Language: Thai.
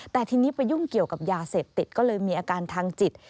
แต่ทีนี้ไปยุ่งเกี่ยวกับยาเสพติดก็เลยมีอาการทางจิต